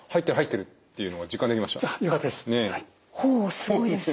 すごいです。